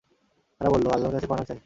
তারা বলল, আল্লাহর কাছে পানাহ চাই!